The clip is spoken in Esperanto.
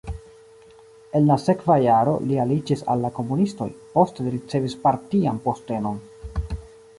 En la sekva jaro li aliĝis al la komunistoj, poste li ricevis partian postenon.